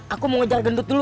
aku mau ngejar gendut dulu